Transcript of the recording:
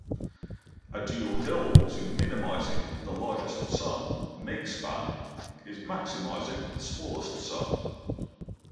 A dual goal to minimizing the largest sum (makespan) is maximizing the smallest sum.